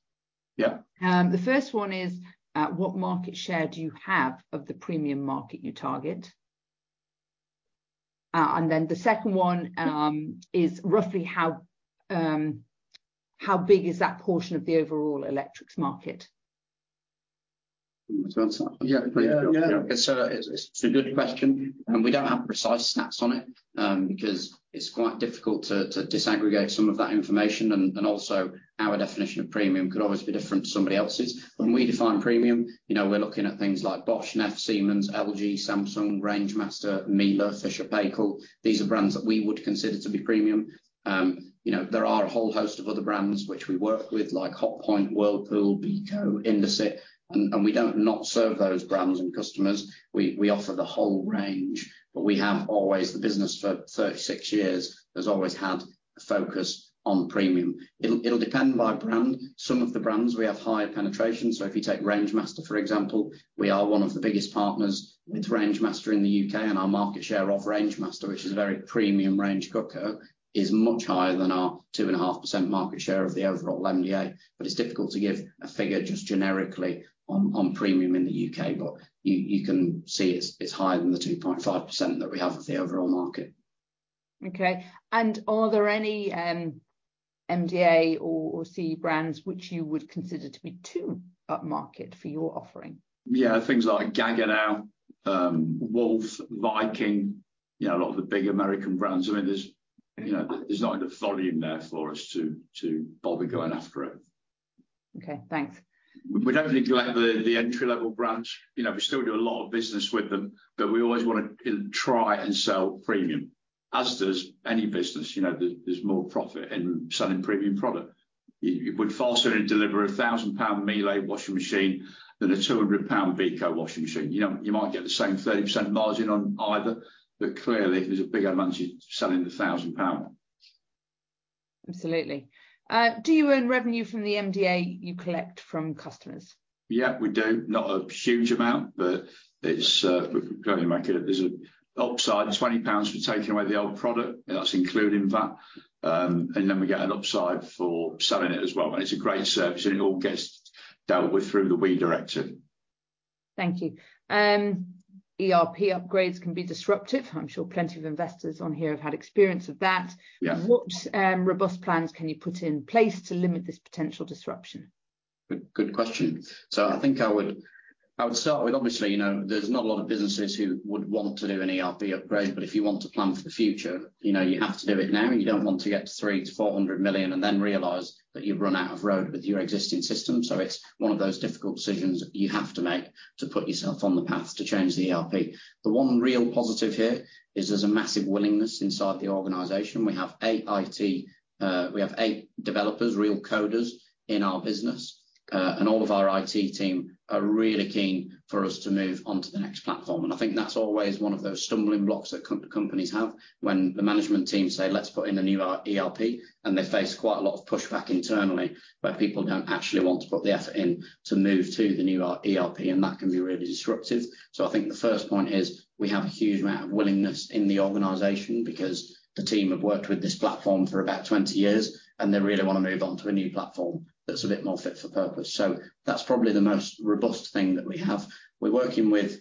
Yeah. The first one is what market share do you have of the premium market you target? The second one is roughly how big is that portion of the overall electrics market? Do you want to answer that? Yeah. Yeah, yeah. It's a good question, and we don't have precise stats on it, because it's quite difficult to disaggregate some of that information, and also, our definition of premium could always be different to somebody else's. When we define premium, you know, we're looking at things like Bosch, NEFF, Siemens, LG, Samsung, Rangemaster, Miele, Fisher Paykel. These are brands that we would consider to be premium. You know, there are a whole host of other brands which we work with, like Hotpoint, Whirlpool, Beko, Indesit, and we don't not serve those brands and customers. We offer the whole range, but the business for 36 years has always had a focus on premium. It'll depend by brand. Some of the brands we have higher penetration, so if you take Rangemaster, for example, we are one of the biggest partners with Rangemaster in the UK, and our market share of Rangemaster, which is a very premium range cooker, is much higher than our 2.5% market share of the overall MDA. It's difficult to give a figure just generically on premium in the UK, but you can see it's higher than the 2.5% that we have of the overall market. Okay. Are there any MDA or CE brands which you would consider to be too upmarket for your offering? Yeah, things like Gaggenau, Wolf, Viking, you know, a lot of the big American brands. I mean, there's, you know, there's not enough volume there for us to bother going after it. Okay, thanks. We don't really collect the entry-level brands. You know, we still do a lot of business with them, but we always wanna try and sell premium, as does any business. You know, there's more profit in selling premium product. You would faster deliver a 1,000 pound Miele washing machine than a 200 pound Beko washing machine. You know, you might get the same 30% margin on either, but clearly, there's a bigger amount you're selling the 1,000 pound. Absolutely. Do you earn revenue from the MDA you collect from customers? Yeah, we do. Not a huge amount, but it's, we can only make it. There's a upside, 20 pounds for taking away the old product, and that's including VAT. Then we get an upside for selling it as well, and it's a great service, and it all gets dealt with through the WEEE Directive. Thank you. ERP upgrades can be disruptive. I'm sure plenty of investors on here have had experience of that. Yeah. What robust plans can you put in place to limit this potential disruption? Good question. I think I would start with obviously, you know, there's not a lot of businesses who would want to do an ERP upgrade, but if you want to plan for the future, you know, you have to do it now. You don't want to get to 300 million-400 million and then realize that you've run out of road with your existing system. It's one of those difficult decisions you have to make to put yourself on the path to change the ERP. The one real positive here is there's a massive willingness inside the organization. We have eight IT, we have eight developers, real coders, in our business, and all of our IT team are really keen for us to move on to the next platform. I think that's always one of those stumbling blocks that companies have when the management team say: "Let's put in a new ERP," They face quite a lot of pushback internally, where people don't actually want to put the effort in to move to the new ERP. That can be really disruptive. I think the first point is, we have a huge amount of willingness in the organization because the team have worked with this platform for about 20 years, and they really wanna move on to a new platform that's a bit more fit for purpose. That's probably the most robust thing that we have. We're working with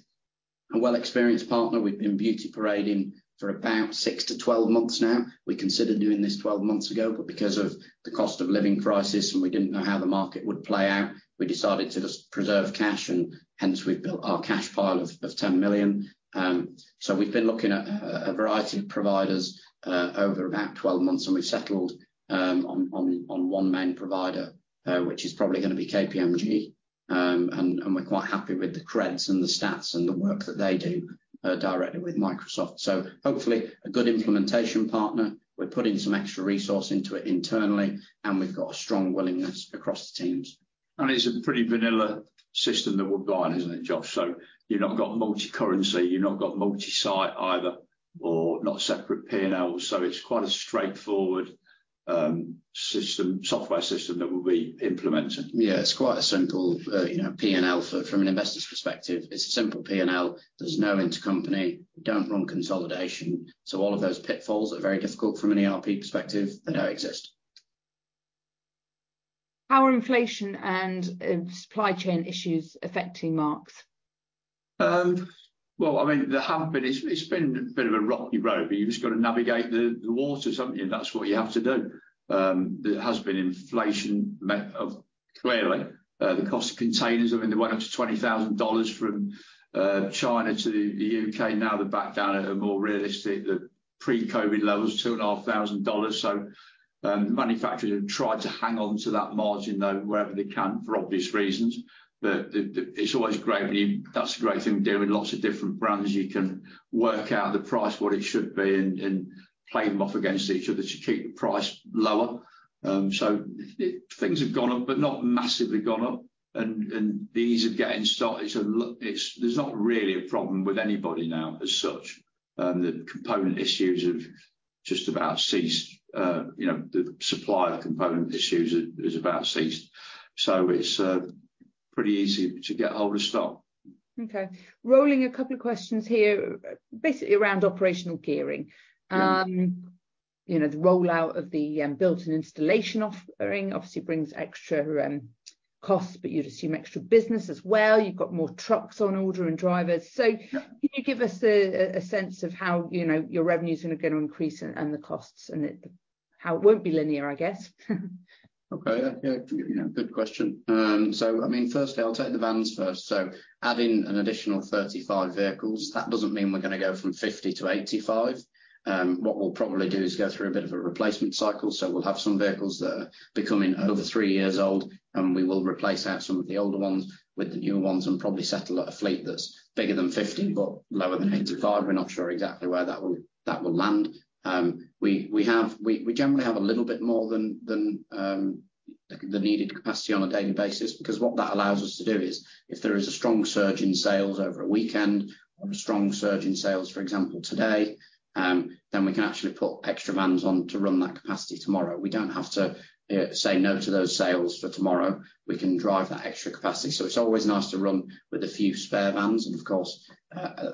a well-experienced partner. We've been beauty parading for about 6-12 months now. We considered doing this 12 months ago because of the cost of living crisis, and we didn't know how the market would play out, we decided to just preserve cash, and hence we've built our cash pile of 10 million. We've been looking at a variety of providers over about 12 months, and we've settled on one main provider, which is probably gonna be KPMG. We're quite happy with the creds and the stats and the work that they do directly with Microsoft. Hopefully, a good implementation partner. We're putting some extra resource into it internally, and we've got a strong willingness across the teams. It's a pretty vanilla system that we're buying, isn't it, Josh? You've not got multicurrency, you've not got multi-site either, or not separate P&Ls, so it's quite a straightforward system, software system that we'll be implementing. Yeah, it's quite a simple, you know, P&L. From an investor's perspective, it's a simple P&L. There's no intercompany, don't run consolidation. All of those pitfalls are very difficult from an ERP perspective. They don't exist. How are inflation and supply chain issues affecting Marks Electrical? Well, I mean, it's been a bit of a rocky road, you've just got to navigate the waters, haven't you? That's what you have to do. There has been inflation of clearly the cost of containers. I mean, they went up to $20,000 from China to the UK. They're back down at a more realistic, the pre-COVID levels, $2,500. Manufacturers have tried to hang on to that margin, though, wherever they can, for obvious reasons. It's always great. That's a great thing of doing lots of different brands. You can work out the price, what it should be, and play them off against each other to keep the price lower. Things have gone up, but not massively gone up, and the ease of getting started, there's not really a problem with anybody now as such. The component issues have just about ceased, you know, the supplier component issues is about ceased, so it's pretty easy to get hold of stock. Okay. Rolling 2 questions here, basically around operational gearing. You know, the rollout of the built-in installation offering obviously brings extra costs, but you'd assume extra business as well. You've got more trucks on order and drivers. Yeah. Can you give us a sense of how, you know, your revenue is gonna go to increase and the costs, how it won't be linear, I guess? Okay. Yeah, yeah, good question. I mean, firstly, I'll take the vans first. Adding an additional 35 vehicles, that doesn't mean we're gonna go from 50 to 85. What we'll probably do is go through a bit of a replacement cycle, so we'll have some vehicles that are becoming over three years old, and we will replace out some of the older ones with the newer ones and probably settle at a fleet that's bigger than 50 but lower than 85. We're not sure exactly where that will land. We generally have a little bit more than the needed capacity on a daily basis, because what that allows us to do is if there is a strong surge in sales over a weekend or a strong surge in sales, for example, today, then we can actually put extra vans on to run that capacity tomorrow. We don't have to say no to those sales for tomorrow. We can drive that extra capacity. It's always nice to run with a few spare vans and, of course,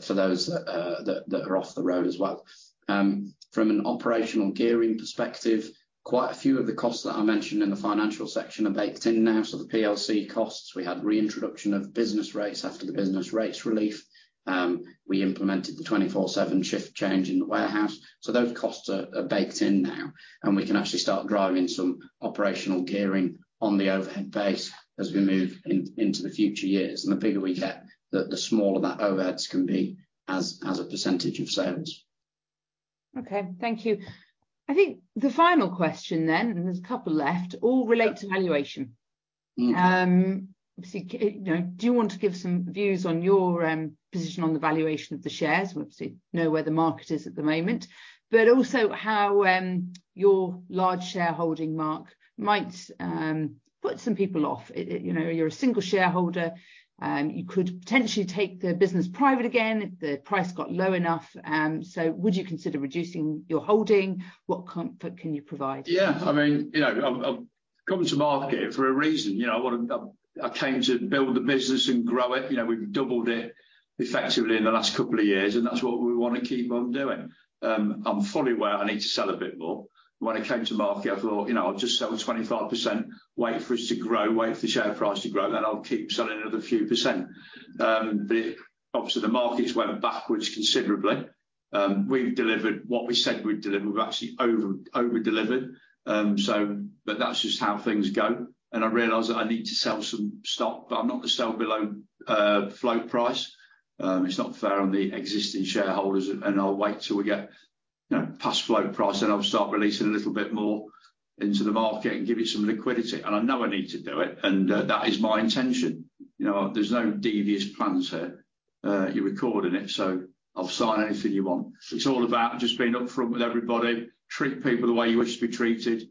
for those that are off the road as well. From an operational gearing perspective, quite a few of the costs that I mentioned in the financial section are baked in now. The PLC costs, we had reintroduction of business rates after the business rates relief. We implemented the 24/7 shift change in the warehouse. Those costs are baked in now, and we can actually start driving some operational gearing on the overhead base as we move into the future years. The bigger we get, the smaller that overheads can be as a percentage of sales. Okay, thank you. I think the final question then, and there's a couple left, all relate to valuation. Mm. obviously, you know, do you want to give some views on your position on the valuation of the shares? We obviously know where the market is at the moment, but also how your large shareholding, Mark, might put some people off. It, you know, you're a single shareholder, you could potentially take the business private again if the price got low enough. Would you consider reducing your holding? What comfort can you provide? I mean, you know, I've come to market for a reason, you know. I came to build the business and grow it. You know, we've doubled it effectively in the last couple of years, and that's what we want to keep on doing. I'm fully aware I need to sell a bit more. When I came to market, I thought, "You know, I'll just sell 25%, wait for it to grow, wait for the share price to grow, then I'll keep selling another few percent." Obviously, the market's went backwards considerably. We've delivered what we said we'd deliver. We've actually over-delivered. That's just how things go, and I realize that I need to sell some stock, but I'm not gonna sell below float price. It's not fair on the existing shareholders, and I'll wait till we get, you know, past float price, then I'll start releasing a little bit more into the market and give it some liquidity. I know I need to do it, and that is my intention. You know, there's no devious plans here. You're recording it, so I'll sign anything you want. It's all about just being upfront with everybody, treat people the way you wish to be treated,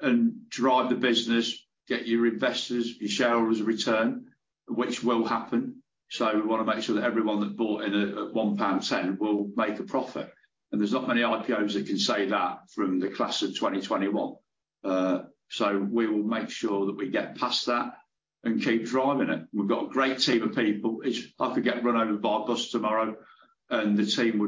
and drive the business, get your investors, your shareholders a return, which will happen. We wanna make sure that everyone that bought in at 1.10 pound will make a profit, and there's not many IPOs that can say that from the class of 2021. So we will make sure that we get past that and keep driving it. We've got a great team of people, which if I get run over by a bus tomorrow and Josh and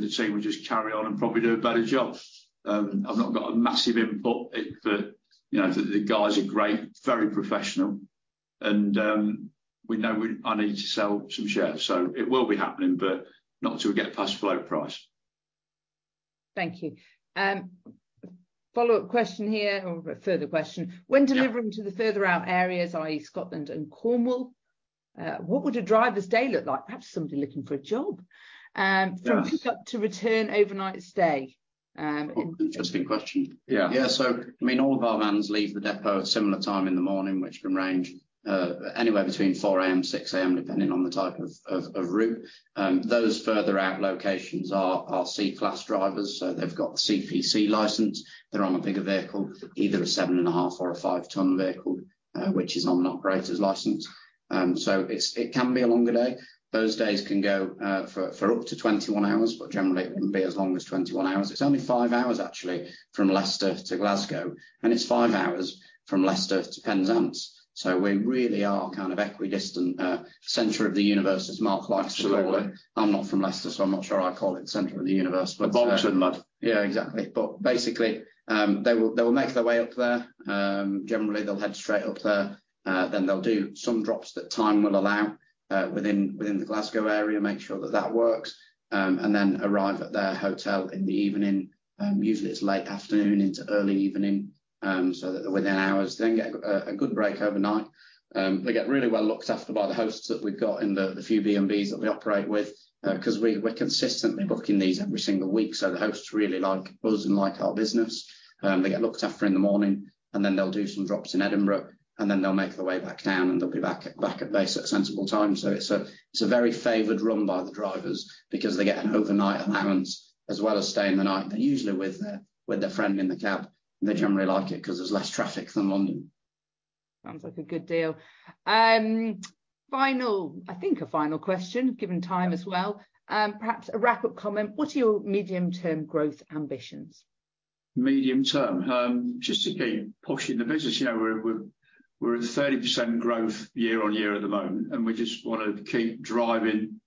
the team would just carry on and probably do a better job. I've not got a massive input, but, you know, the guys are great, very professional, and we know I need to sell some shares, so it will be happening, but not till we get past float price. Thank you. Follow-up question here or a further question: When delivering- Yeah To the further out areas, i.e., Scotland and Cornwall, what would a driver's day look like? Perhaps somebody looking for a job. Yes. from pick up to return overnight stay, Interesting question. Yeah. I mean, all of our vans leave the depot at a similar time in the morning, which can range anywhere between 4:00 A.M., 6:00 A.M., depending on the type of route. Those further out locations are our C-class drivers, so they've got the CPC license. They're on a bigger vehicle, either a 7.5 or a 5-tonne vehicle, which is on an operator's license. It's, it can be a longer day. Those days can go for up to 21 hours, but generally it wouldn't be as long as 21 hours. It's only 5 hours actually from Leicester to Glasgow, and it's 5 hours from Leicester to Penzance, we really are kind of equidistant, center of the universe, as Mark likes to call it. Absolutely. I'm not from Leicester, so I'm not sure I'd call it the center of the universe, but- Birmingham, lad. Yeah, exactly. Basically, they will make their way up there. Generally, they'll head straight up there, then they'll do some drops that time will allow within the Glasgow area, make sure that that works, then arrive at their hotel in the evening. Usually it's late afternoon into early evening, that they're within hours, then get a good break overnight. They get really well looked after by the hosts that we've got in the few B&Bs that we operate with, 'cause we're consistently booking these every single week, the hosts really like us and like our business. They get looked after in the morning, they'll do some drops in Edinburgh, they'll make their way back down, they'll be back at base at a sensible time. It's a very favored run by the drivers because they get an overnight allowance as well as staying the night. They're usually with a friend in the cab, they generally like it 'cause there's less traffic than London. Sounds like a good deal. I think a final question, given time as well. Perhaps a wrap-up comment. What are your medium-term growth ambitions? Medium term, just to keep pushing the business. You know, we're at 30% growth year-on-year at the moment. We just wanna keep driving,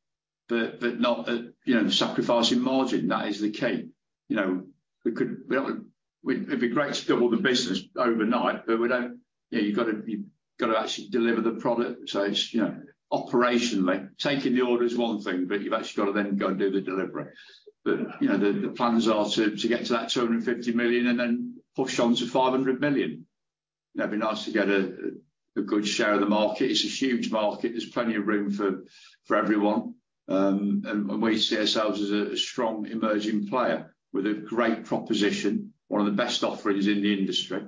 but not at, you know, sacrificing margin. That is the key. You know, we could, we don't. It'd be great to double the business overnight, but we don't. Yeah, you've gotta, you've gotta actually deliver the product, so it's, you know, operationally, taking the order is one thing, but you've actually gotta then go and do the delivery. You know, the plans are to get to that 250 million and then push on to 500 million. That'd be nice to get a good share of the market. It's a huge market. There's plenty of room for everyone, and we see ourselves as a strong emerging player with a great proposition, one of the best offerings in the industry.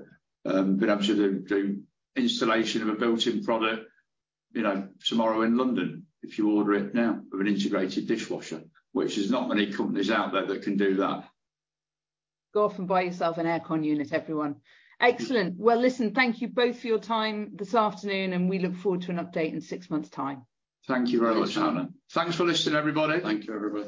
Be able to do installation of a built-in product, you know, tomorrow in London, if you order it now, with an integrated dishwasher, which there's not many companies out there that can do that. Go off and buy yourself an aircon unit, everyone. Excellent. Well, listen, thank you both for your time this afternoon. We look forward to an update in 6 months' time. Thank you very much, Shannon. Thanks for listening, everybody. Thank you, everybody.